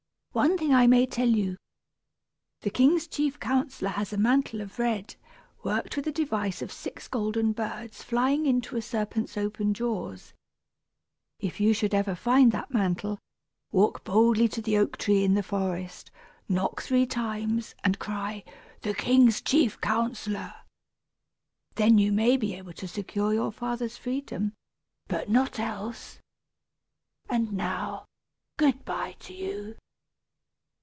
One thing I may tell you. The king's chief counsellor has a mantle of red, worked with a device of six golden birds flying into a serpent's open jaws. If you should ever find that mantle, walk boldly to the oak tree in the forest, knock three times, and cry, 'The King's Chief Counsellor!' Then you may be able to secure your father's freedom, but not else. And now, good by to you."